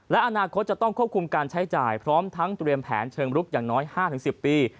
และอนาคตจะต้องควบคุมการใช้จ่ายพร้อมทั้งเตรียมแผนเชิงลุกอย่างน้อย๕๑๐ปี